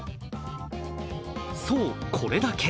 そう、これだけ。